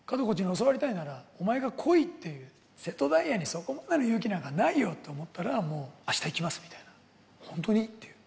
教わりたいならお前が来いっていう、瀬戸大也にそこまでの勇気なんてないよって思ったら、もうあした行きますみたいな、本当に？っていう。